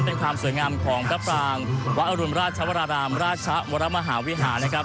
เป็นความสวยงามของพระปรางวัดอรุณราชวรารามราชวรมหาวิหารนะครับ